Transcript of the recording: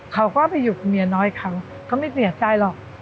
เขาก็ไปหยุดเมียน้อยเขาเขาไม่เสียใจหรอก